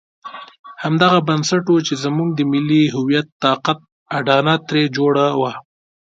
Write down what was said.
همدغه بنسټ وو چې زموږ د ملي هویت طاقت اډانه ترې جوړه وه.